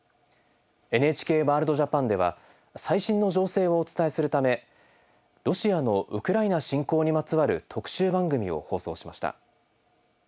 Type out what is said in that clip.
「ＮＨＫワールドＪＡＰＡＮ」では最新の情勢をお伝えするためロシアのウクライナ侵攻にまつわる特集番組を放送しました。